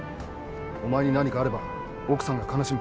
お前に何かあれば奥さんが悲しむ。